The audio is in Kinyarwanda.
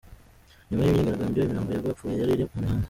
Nyuma y'imyigaragambyo, imirambo y'abapfuye yari iri mu mihanda.